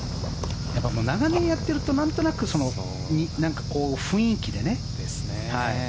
長年やってると何となく雰囲気でね。